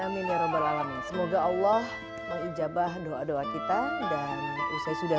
amin ya rabbal alamin semoga allah mengijabah doa doa kita dan usai sudah